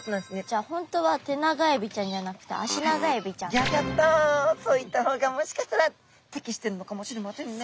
じゃあ本当はテナガエビちゃんじゃなくてそう言った方がもしかしたら適してるのかもしれませんね。